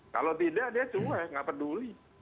kalau tidak dia cuek nggak peduli